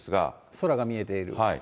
空が見えている。